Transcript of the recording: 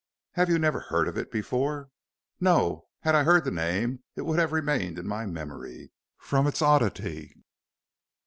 "Have you never heard of it before?" "No. Had I heard the name it would have remained in my memory, from its oddity."